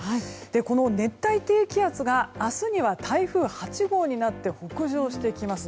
この熱帯低気圧が明日には台風８号になって北上してきます。